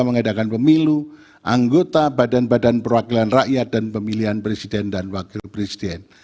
mengadakan pemilu anggota badan badan perwakilan rakyat dan pemilihan presiden dan wakil presiden